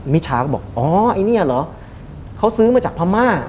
มิชาก็บอกอ๋อไอ้เนี่ยเหรอเขาซื้อมาจากพม่า